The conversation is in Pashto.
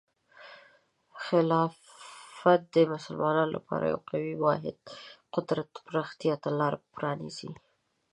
خلافت د مسلمانانو لپاره د یو قوي واحد قدرت پراختیا ته لاره پرانیزي.